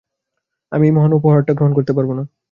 আমি এই মহান উপহারটা গ্রহন করতে পারবো না।